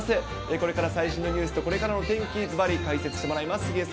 これから最新のニュースとこれからずばり解説してもらいます。